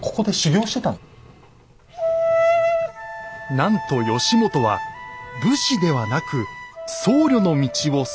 なんと義元は武士ではなく僧侶の道を進んでいたのです。